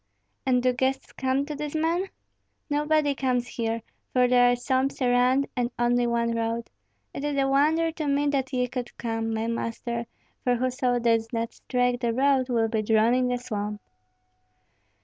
"And do guests come to these men?" "Nobody comes here, for there are swamps around, and only one road. It is a wonder to me that ye could come, my master; for whoso does not strike the road, will be drawn in by the swamp."